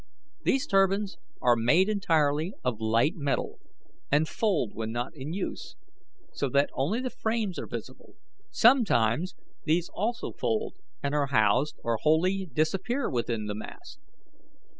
These turbines are made entirely of light metal, and fold when not in use, so that only the frames are visible. Sometimes these also fold and are housed, or wholly disappear within the mast.